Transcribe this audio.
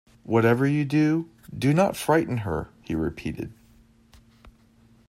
"Whatever you do, do not frighten her," he repeated.